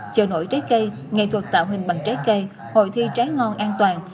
chợ nổi trái cây nghệ thuật tạo hình bằng trái cây hội thi trái ngon an toàn